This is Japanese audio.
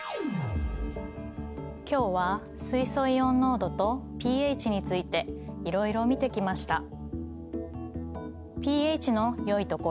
今日は水素イオン濃度とｐＨについていろいろ見てきました。